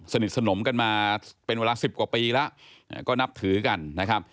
สนิทสนมกันมาเป็นเวลา๑๐กว่าปีแล้วก็นับถือกันนะครับ